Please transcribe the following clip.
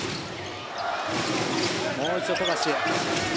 もう一度富樫。